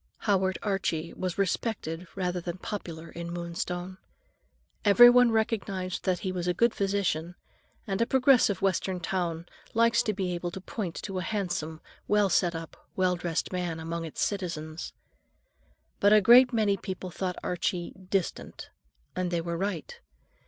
Howard Archie was "respected" rather than popular in Moonstone. Everyone recognized that he was a good physician, and a progressive Western town likes to be able to point to a handsome, well set up, well dressed man among its citizens. But a great many people thought Archie "distant," and they were right.